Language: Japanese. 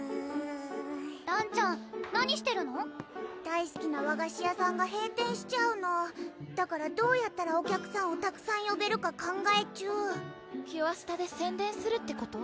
大すきな和菓子屋さんが閉店しちゃうのだからどうやったらお客さんをたくさんよべるか考え中キュアスタで宣伝するってこと？